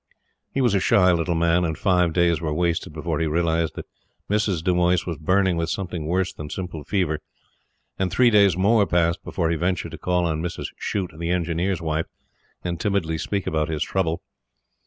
He was a shy little man, and five days were wasted before he realized that Mrs. Dumoise was burning with something worse than simple fever, and three days more passed before he ventured to call on Mrs. Shute, the Engineer's wife, and timidly speak about his trouble.